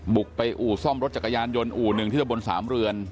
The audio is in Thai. บุกไปอู่ซ่อมรถจักรยานยนต์อู่หนึ่งที่ตะบนสามเรือน